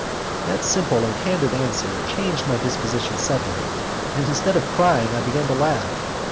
That simple and candid answer changed my disposition suddenly, and, instead of crying, I began to laugh.